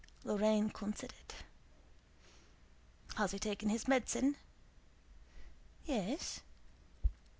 Lorrain considered. "Has he taken his medicine?" "Yes."